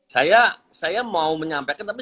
saya mau menyampaikan tapi